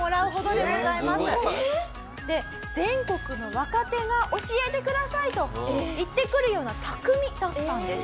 全国の若手が教えてくださいと言ってくるような匠だったんです。